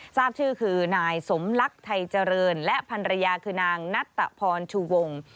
ทราบชื่อคือนายสมลักษณ์ไทยเจริญและพันรยาคือนางนัตตะพรชูวง